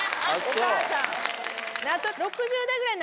お母さん。